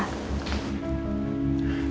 permisi pak raka